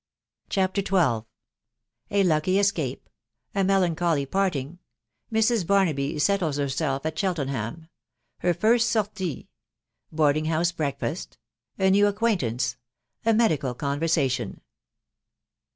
CHAPTER XII. A LUCKY ESCAPE. A MELANCHOLY PARTING. MRS. BARXASY S0 TLBS HERSELF AT CHELTENHAM. HER FIRST SORTIE. BOARDING HOUSE BREAKFAST. A NEW ACQUAINTANCE. A MEDICAL CONVER SATION.